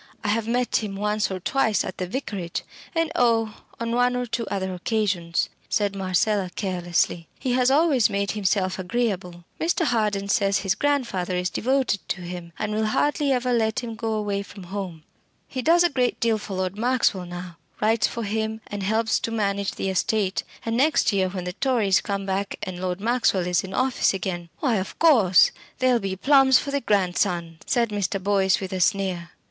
I have met him once or twice at the Vicarage and oh! on one or two other occasions," said Marcella, carelessly. "He has always made himself agreeable. Mr. Harden says his grandfather is devoted to him, and will hardly ever let him go away from home. He does a great deal for Lord Maxwell now: writes for him, and helps to manage the estate; and next year, when the Tories come back and Lord Maxwell is in office again " "Why, of course, there'll be plums for the grandson," said Mr. Boyce with a sneer.